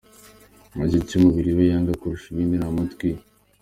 Ngo igice cy’umubiri we yanga kurusha ibindi ni amatwi ye.